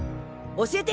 教えて！